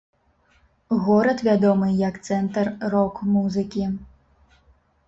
Горад вядомы як цэнтр рок-музыкі.